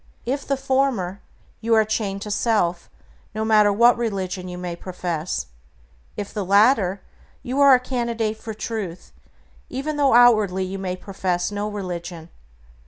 If the former, you are chained to self, no matter what religion you may profess; if the latter, you are a candidate for Truth, even though outwardly you may profess no religion.